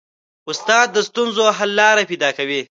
استاد د ستونزو حل لارې پیدا کوي.